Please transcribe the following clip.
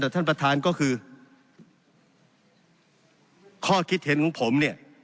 แต่ท่านประธานก็คือข้อคิดเห็นของผมเนี่ย